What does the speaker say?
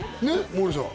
モーリーさん